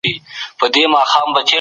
که موږ په ګډه کار وکړو، بريالي کېږو.